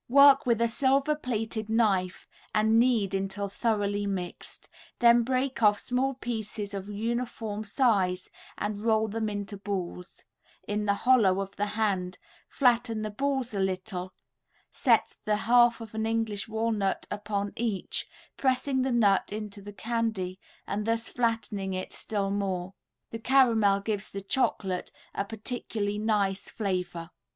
Work with a silver plated knife and knead until thoroughly mixed, then break off small pieces of uniform size and roll them into balls, in the hollow of the hand, flatten the balls a little, set the half of an English walnut upon each, pressing the nut into the candy and thus flattening it still more. The caramel gives the chocolate a particularly nice flavor.